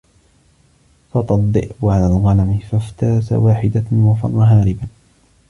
سَطَا الذِّئْبُ عَلَى الْغَنَمِ فَاِفْتَرَسَ وَاحِدَةً وَفَرَّ هَارِبًا.